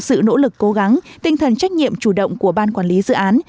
sự nỗ lực cố gắng tinh thần trách nhiệm chủ động của ban quản lý dự án